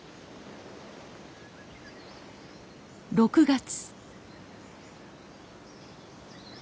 ６月。